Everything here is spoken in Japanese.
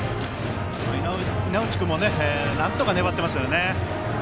稲内君もなんとか粘っていますね。